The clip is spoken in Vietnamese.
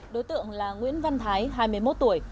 đối tượng là nguyễn văn thái hai mươi một tuổi